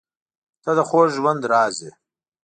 • ته د خوږ ژوند راز یې.